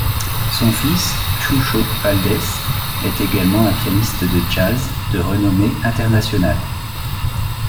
Son fils Chucho Valdés est également un pianiste de jazz de renommée internationale.